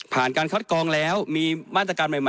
ผ่านการค็อตกรองแล้วมีมาตรการใหม่